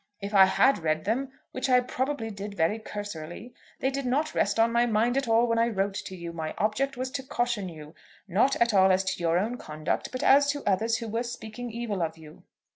If I had read them, which I probably did very cursorily, they did not rest on my mind at all when I wrote to you. My object was to caution you, not at all as to your own conduct, but as to others who were speaking evil of you.